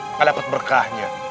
nggak dapat berkahnya